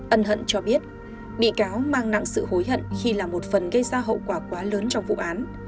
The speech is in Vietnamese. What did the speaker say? ân hận cho biết bị cáo mang nặng sự hối hận khi làm một phần gây ra hậu quả quá lớn trong vụ án